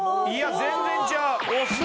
いや全然ちゃう！